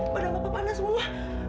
padang bapak panas semua